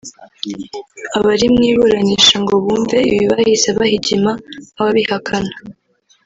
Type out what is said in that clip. Abari mu iburanisha ngo bumve ibi bahise bahigima nk’ababihakana